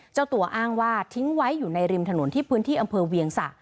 เจ้าตัวอ้างว่าทิ้งไว้อยู่ในริมถนนที่พื้นที่อำเภอเวียงสะ